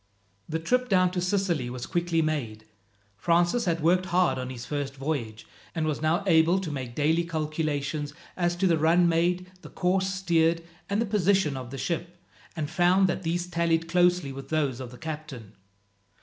The trip down to Sicily was quickly made. Francis had worked hard on his first voyage, and was now able to make daily calculations as to the run made, the course steered, and the position of the ship, and found that these tallied closely with those of the captain.